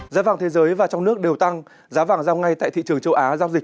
giá vàng thế giới và trong nước đều tăng giá vàng giao ngay tại thị trường châu á giao dịch